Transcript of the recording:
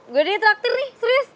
gue ada di traktir nih serius